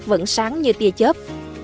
vẫn sáng như tia chớp